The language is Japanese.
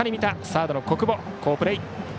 サードの小久保の好プレー。